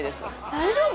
大丈夫！？